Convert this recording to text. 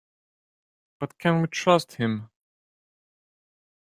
But can we trust him?